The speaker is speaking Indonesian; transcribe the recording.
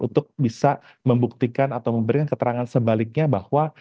untuk bisa membuktikan atau memberikan keterangan sebaliknya bahwa